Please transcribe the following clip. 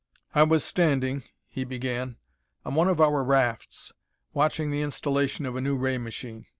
I was standing he began on one of our rafts, watching the installation of a new ray machine.